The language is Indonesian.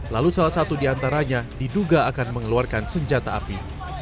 lalu salah satu diantaranya diduga akan mengeluarkan senjata api